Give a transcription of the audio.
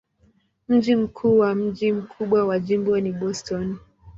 Mji mkuu na mji mkubwa wa jimbo ni Boston.